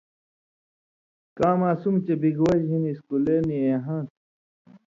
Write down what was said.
کاں ماسمہ چےۡ بِگی وجہۡ ہِن اِسکُلے نی اېں ہاں تُھو